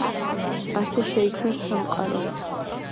ასე შეიქმნა სამყარო.